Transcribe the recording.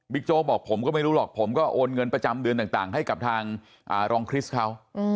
โจ๊กบอกผมก็ไม่รู้หรอกผมก็โอนเงินประจำเดือนต่างให้กับทางรองคริสต์เขา